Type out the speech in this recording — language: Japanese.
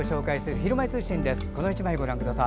「ひるまえ通信」です。